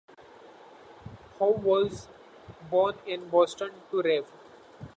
Haugh was born in Boston to Rev.